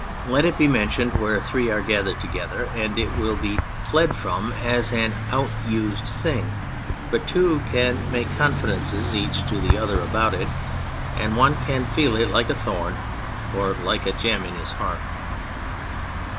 Let it be mentioned where three are gathered together, and it will be fled from as an out used thing, but two can make confidences each to the other about it, and one can feel it like a thorn or like a gem in his heart.